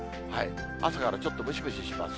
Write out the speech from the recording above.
朝からちょっとムシムシします。